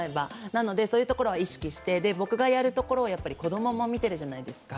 なので、そういうところは意識して僕がやるところを子供は見てるじゃないですか。